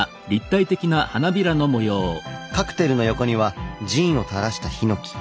カクテルの横にはジンをたらしたヒノキ。